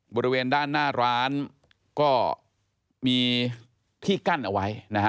บริเวณด้านหน้าร้านก็มีที่กั้นเอาไว้นะฮะ